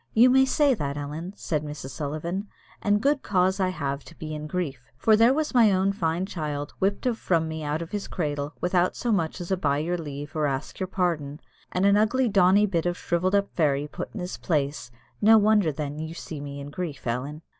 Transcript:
"You may say that, Ellen," said Mrs. Sullivan, "and good cause I have to be in grief, for there was my own fine child whipped of from me out of his cradle, without as much as 'by your leave' or 'ask your pardon,' and an ugly dony bit of a shrivelled up fairy put in his place; no wonder, then, that you see me in grief, Ellen."